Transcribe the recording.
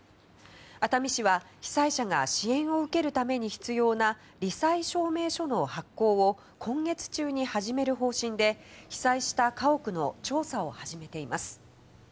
熱海市は被災者が支援を受けるために必要な罹災証明書の発行を今月中に始める方針で被災した家屋の調査を始めています。